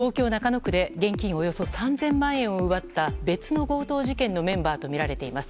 東京・中野区で現金およそ３０００万円を奪った別の強盗事件のメンバーとみられています。